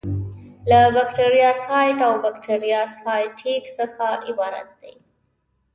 له بکټریوسایډل او بکټریوسټاټیک څخه عبارت دي.